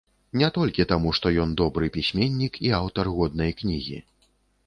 Не толькі таму, што ён добры пісьменнік і аўтар годнай кнігі.